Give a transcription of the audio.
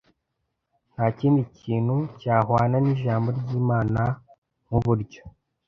Nta kindi kintu cyahwana n’ijambo ry’Imana nk’uburyo